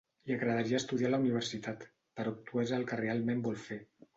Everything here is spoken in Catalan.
Li agradaria estudiar a la Universitat, però actuar és el que realment vol fer.